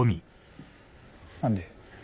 何で？